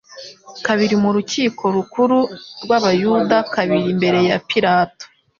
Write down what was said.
kabiri mu rukiko rukuru rw'abayuda, kabiri imbere ya Pilato,